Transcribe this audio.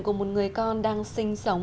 của một người con đang sinh sống